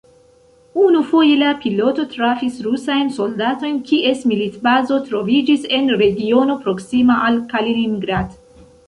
Unufoje la piloto trafis rusajn soldatojn, kies militbazo troviĝis en regiono proksima al Kaliningrad.